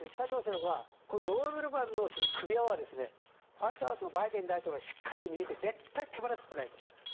ドーベルマンの首輪は例えるとホワイトハウスのバイデン大統領はしっかりと逃げて手放すことはないと。